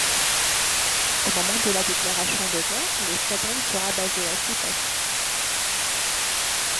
Au moment de la déclaration de guerre, l'escadrille sera basée à Suippes.